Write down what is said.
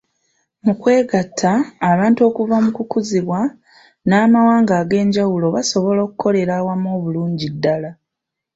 Mu kwegatta, abantu okuva mu kukuzibwa, n'amawanga ag'enjawulo basobola okukolera awamu bulungi ddala.